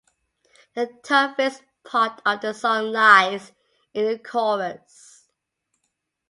The toughest part of the song lies in the chorus.